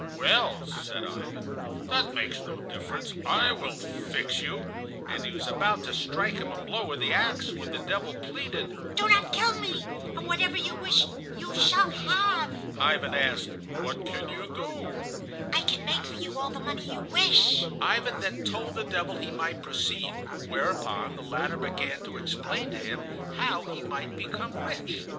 "Well," said Ivan, "that makes no difference; I will fix you." And he was about to strike him a blow with the axe when the devil pleaded: "Do not kill me, and whatever you wish you shall have." Ivan asked, "What can you do?" "I can make for you all the money you wish." Ivan then told the devil he might proceed, whereupon the latter began to explain to him how he might become rich.